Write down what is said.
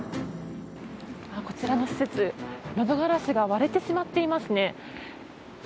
こちらの施設、窓ガラスが割れてしまっていますね。